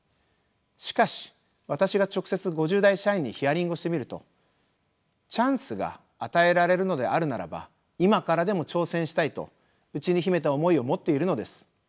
しかし私が直接５０代社員にヒアリングをしてみるとチャンスが与えられるのであるならば今からでも挑戦したいと内に秘めた思いを持っているのです。